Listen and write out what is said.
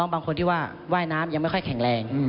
บางคนที่ว่าว่ายน้ำยังไม่ค่อยแข็งแรง